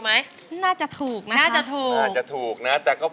มาดูกันเลยครับว่าจะได้เท่าไรอะไรยังไงค่ะ